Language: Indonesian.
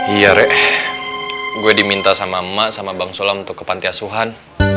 iya rek gue diminta sama emak sama bang sula untuk ke pantai suhan